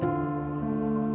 gak ada yang bisa dihukum